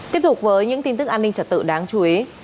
tiếp tục với những tin tức an ninh trật tự đáng chú ý